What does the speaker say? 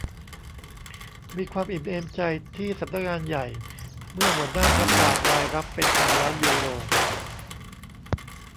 มีความอิ่มเอมใจที่สำนักงานใหญ่เมื่อหัวหน้าประกาศรายรับเป็นพันล้านยูโร